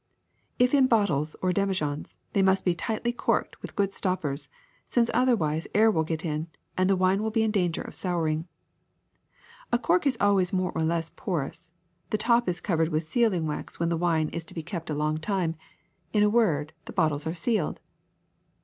If in bottles or demijohns, they must be tightly corked with good stoppers, since otherwise air will get in and the wine will be in danger of souring. As cork is always more or less porous, the top is covered with sealing wax when the wine is to be kept ^54 THE SECRET OF EVERYDAY THINGS a long time; in a word, the bottles are sealed.'